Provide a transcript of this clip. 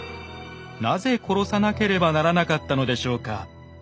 なぜ殺さなければならなかったのでしょうか。